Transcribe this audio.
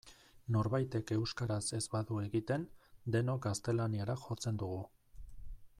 Norbaitek euskaraz ez badu egiten denok gaztelaniara jotzen dugu.